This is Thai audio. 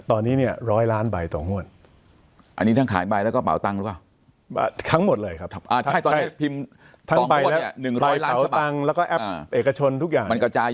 ตอนนี้เนี่ย๑๐๐ล้านใบต่องวดอันนี้ทั้งขายใบแล้วก็เป่าตังค์หรือเปล่า